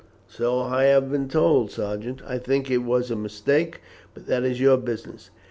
"So I have been told, Sergeant. I think it was a mistake, but that is your business.